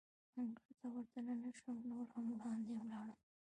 انګړ ته ور دننه شوم، نور هم وړاندې ولاړم.